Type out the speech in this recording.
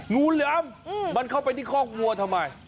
งูเหลือมมันเข้าไปที่คอกวัวทำไม